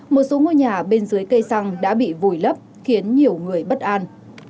một số ngôi nhà bên dưới cây xăng đã bị vùi lấp khiến nhiều người bất an